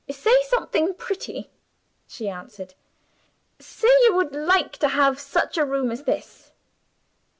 "Say something pretty," she answered; "say you would like to have such a room as this."